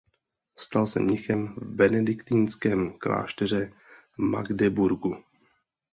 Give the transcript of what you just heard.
Stal se mnichem v benediktinském klášteře v Magdeburgu.